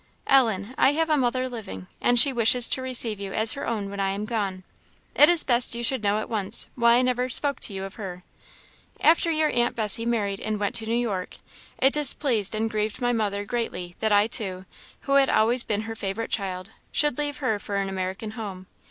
"Ellen, I have a mother living, and she wishes to receive you as her own when I am gone. It is best you should know at once why I never spoke to you of her. After your aunt Bessy married and went to New York, it displeased and grieved my mother greatly that I too, who had always been her favourite child, should leave her for an American home.